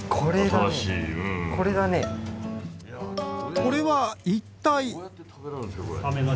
これは一体？